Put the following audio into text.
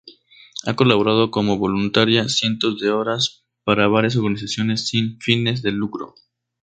Ha colaborado como voluntaria cientos de horas para varias organizaciones sin fines de lucro.